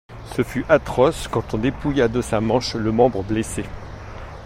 Ce fut atroce quand on dépouilla de sa manche le membre blessé.